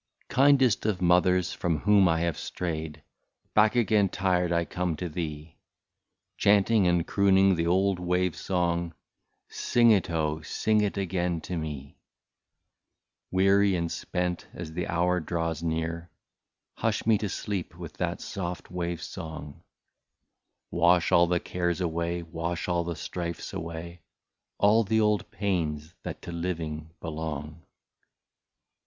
Kindest of mothers, from whom I have strayed, Back again tired I come to thee, Chanting and crooning the old wave song, — Sing it, oh! sing it again to me ! Weary and spent, as the hour draws near, Hush me to sleep with that soft wave song ; Wash all the cares away, wash all the strifes away. All the old pains that to living belong.